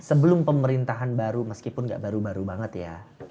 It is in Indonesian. sebelum pemerintahan baru meskipun gak baru baru banget ya